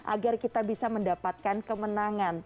agar kita bisa mendapatkan kemenangan